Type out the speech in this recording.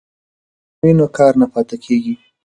که پلان وي نو کار نه پاتې کیږي.